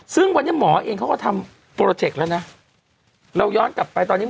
ซึ่งวันนี้หมอเองเขาก็ทำโปรเจคแล้วนะเราย้อนกลับไปตอนนี้